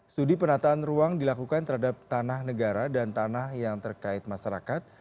studi penataan ruang dilakukan terhadap tanah negara dan tanah yang terkait masyarakat